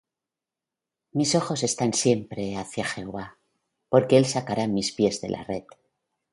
Mis ojos están siempre hacia Jehová; Porque él sacará mis pies de la red.